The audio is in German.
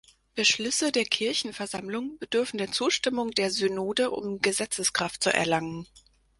Beschlüsse der Kirchenversammlung bedürfen der Zustimmung der Synode um Gesetzeskraft zu erlangen.